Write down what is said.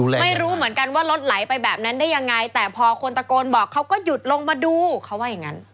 ไม่รู้เหมือนกันว่ารถไหลไปแบบนั้นได้ยังไงแต่พอคนตะโกนบอกเขาก็หยุดลงมาดูเขาว่าอย่างนั้น